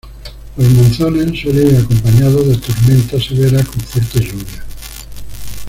Los monzones suelen ir acompañados de tormentas severas con fuertes lluvias.